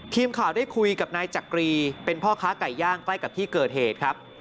ทีมข่าวได้คุยกับนายจักรีเป็นพ่อค้าไก่ย่างใกล้กับที่เกิดเหตุครับ